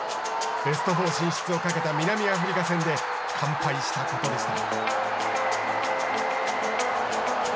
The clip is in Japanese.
ベスト４進出をかけた南アフリカ戦で完敗したことでした。